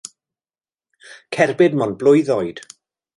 Cerbyd 'mond blwydd oed.